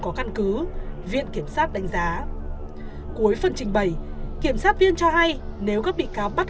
có căn cứ viện kiểm sát đánh giá cuối phần trình bày kiểm sát viên cho hay nếu các bị cáo bắt